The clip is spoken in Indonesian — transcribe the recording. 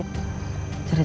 cerita tentang apa